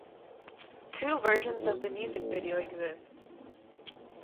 Two versions of the music video exist.